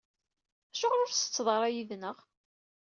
Acuɣer ur tsetteḍ ara yid-neɣ?